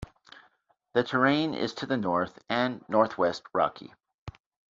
The terrain is to the north and north-west rocky.